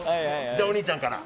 じゃあお兄ちゃんから。